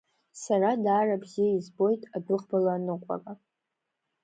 Сара даара бзиа избоит адәыӷбала аныҟәара.